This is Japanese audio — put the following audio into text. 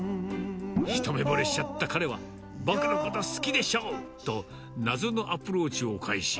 一目ぼれしちゃった彼は、僕のこと好きでしょ？と、謎のアプローチを開始。